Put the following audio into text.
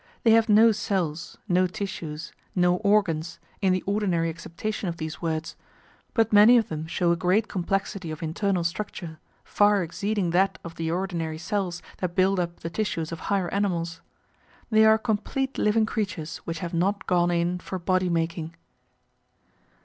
They have no cells, no tissues, no organs, in the ordinary acceptation of these words, but many of them show a great complexity of internal structure, far exceeding that of the ordinary cells that build up the tissues of higher animals. They are complete living creatures which have not gone in for body making.